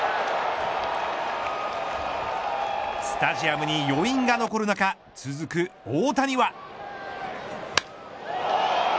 スタジアムに余韻が残る中続く大谷は。